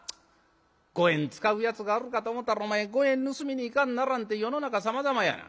五円使うやつがあるかと思たらお前五円盗みに行かんならんて世の中さまざまやな。